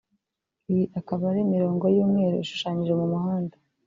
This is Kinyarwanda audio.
iyi ikaba ari imirongo y’umweru ishushanyije mu muhanda